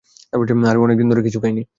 আরে, অনেক দিন ধরে কিছু খাইনি।